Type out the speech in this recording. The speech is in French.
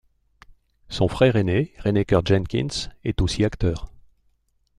Son frère ainé, Renneker Jenkins, est aussi acteur.